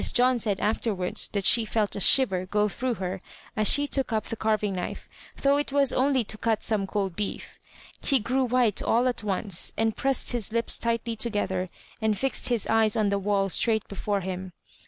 John said afterwards that she felt a shiver go through her as she took up the carving knife, though it was only to cut some cold beefl He grew white all at once, and press ed his lips tightly together, and fixed his eyes on the wall straight before him.